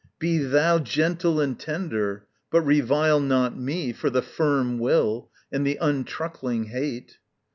_ Be thou Gentle and tender! but revile not me For the firm will and the untruckling hate.